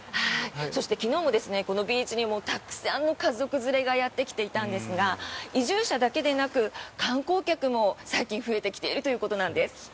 そして昨日もこのビーチにもたくさんの家族連れがやってきていたんですが移住者だけでなく観光客も最近増えてきているということなんです。